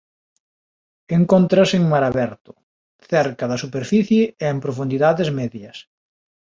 Encóntrase en mar aberto cerca da superficie e en profundidades medias.